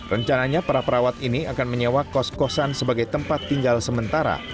rencananya para perawat ini akan menyewa kos kosan sebagai tempat tinggal sementara